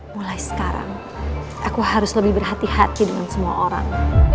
mulai sekarang aku harus lebih berhati hati dengan semua orang